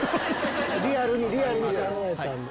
リアルにリアルに考えたんだ。